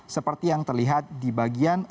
seperti yang terlihat di bagian